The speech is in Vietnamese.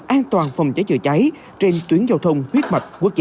an toàn phòng trái chữa trái trên tuyến giao thông huyết mạch quốc gia